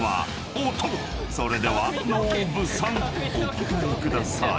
［それではノブさんお答えください］